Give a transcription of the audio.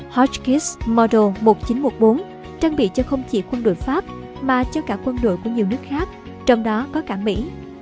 hotkis model một nghìn chín trăm một mươi bốn trang bị cho không chỉ quân đội pháp mà cho cả quân đội của nhiều nước khác trong đó có cả mỹ